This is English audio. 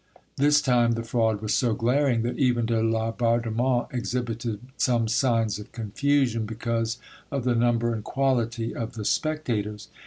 This time the fraud was so glaring that even de Laubardemont exhibited some signs of confusion because of the number and quality of the spectators.